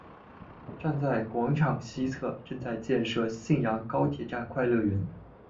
站前广场西侧正在建设信阳高铁站快乐园。